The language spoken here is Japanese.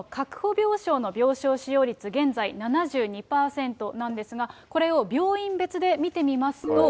病床の病床使用率、現在７２％なんですが、これを病院別で見てみますと。